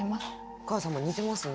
お母様似てますね。